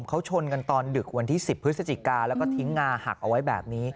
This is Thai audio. เขาชนกันตอนดึกวันที่๑๐พฤศจิกาแล้วก็ทิ้งงาหักเอาไว้แบบนี้